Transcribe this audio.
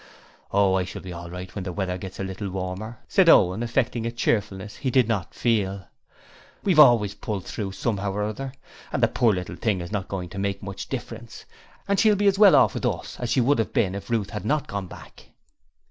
'Oh, I shall be all right when the weather gets a little warmer,' said Owen, affecting a cheerfulness he did not feel. 'We have always pulled through somehow or other; the poor little thing is not going to make much difference, and she'll be as well off with us as she would have been if Ruth had not gone back.'